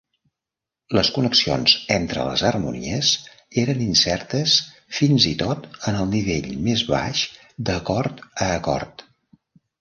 Les connexions entre les harmonies eren incertes fins i tot en el nivell més baix d'acord a acord.